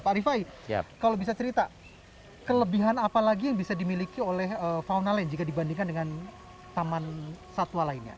pak rifai kalau bisa cerita kelebihan apa lagi yang bisa dimiliki oleh fauna lain jika dibandingkan dengan taman satwa lainnya